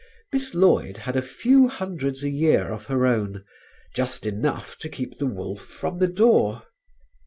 Miss Lloyd had a few hundreds a year of her own, just enough to keep the wolf from the door.